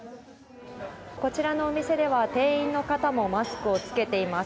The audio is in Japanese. こちらのお店では店員の方もマスクを着けています。